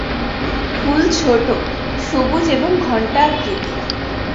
ফুল ছোট, সবুজ এবং ঘণ্টা আকৃতির।